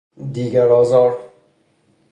دیگرآزار